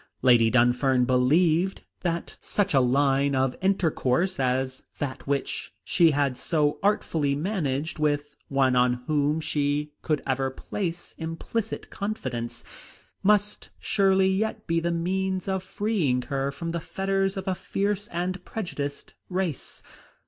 Lady Dunfern believed that such a line of intercourse as that which she had so artfully managed with one on whom she could ever place implicit confidence, must surely yet be the means of freeing her from the fetters of a fierce and prejudiced race.